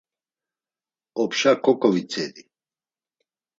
Opşa koǩovitzedi.